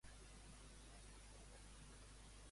Per què no podrà esdevenir mai en un pintor reconegut?